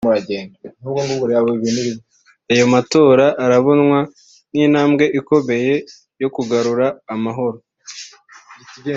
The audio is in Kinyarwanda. Ayo matora arabonwa nk’intambwe ikomeye yo kugarura amahoro